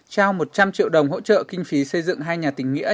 trao một trăm linh triệu đồng hỗ trợ kinh phí xây dựng hai nhà tình nghĩa